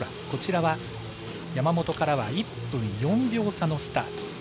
こちらは、山本からは１分４秒差のスタート。